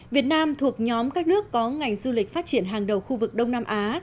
việt nam thuộc nhóm các nước có ngành du lịch phát triển hàng đầu khu vực đông nam á